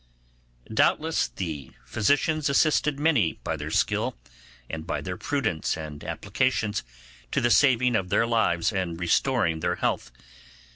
Doubtless, the physicians assisted many by their skill, and by their prudence and applications, to the saving of their lives and restoring their health.